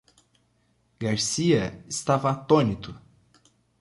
Garcia estava atônito.